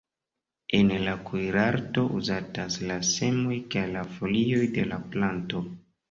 En la kuirarto uzatas la semoj kaj la folioj de la planto.